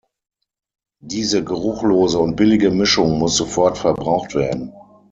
Diese geruchlose und billige Mischung muss sofort verbraucht werden.